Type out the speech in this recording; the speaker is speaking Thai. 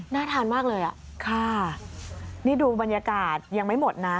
ทานมากเลยอ่ะค่ะนี่ดูบรรยากาศยังไม่หมดนะ